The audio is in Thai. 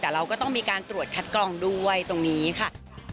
แต่เราก็ต้องมีการตรวจคัดกรองด้วยตรงนี้ค่ะ